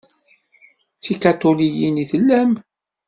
D ikaṭuliyen i tellam?